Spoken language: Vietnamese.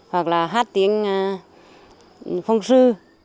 hoặc là hát tiếng phong sư